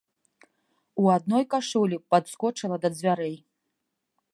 У адной кашулі падскочыла да дзвярэй.